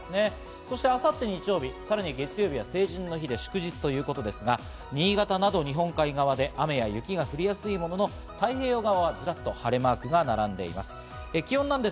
そして明後日日曜日、さらに月曜日は成人の日で祝日ということですが、新潟など日本海側で雨や雪が降りやすいものの、太平洋側はずらっと晴れマークが並んでいます。